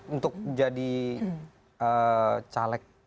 untuk jadi caleg